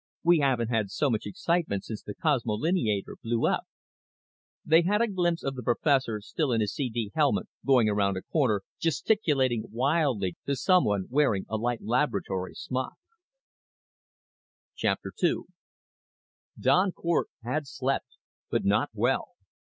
We haven't had so much excitement since the cosmolineator blew up." They had a glimpse of the professor, still in his CD helmet, going around a corner, gesticulating wildly to someone wearing a white laboratory smock. II Don Cort had slept, but not well.